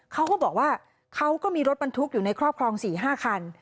เขาก็บอกว่าเขาก็มีรถบรรทุกอยู่ในครอบครอง๔๕คัน